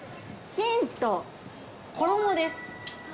ヒント、衣です。